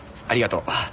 ありがとう。